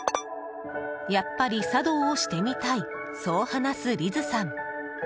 やっぱり茶道をしてみたいそう話すリズさん。